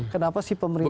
kenapa sih pemerintah